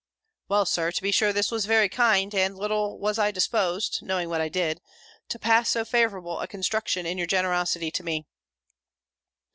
"Well, Sir, to be sure this was very kind; and little was I disposed (knowing what I did,) to pass so favourable a construction in your generosity to me."